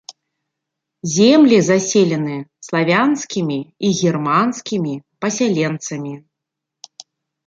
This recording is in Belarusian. Землі заселены славянскімі і германскімі пасяленцамі.